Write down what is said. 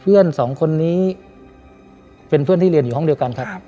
สองคนนี้เป็นเพื่อนที่เรียนอยู่ห้องเดียวกันครับ